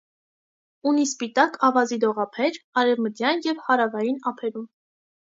Ունի սպիտակ ավազի լողափեր, արևմտյան և հարավային ափերում։